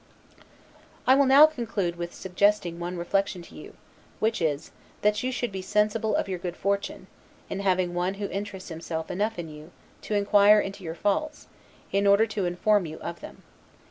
I will now conclude with suggesting one reflection to you; which is, that you should be sensible of your good fortune, in having one who interests himself enough in you, to inquire into your faults, in order to inform you of them.